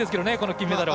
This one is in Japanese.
金メダルを。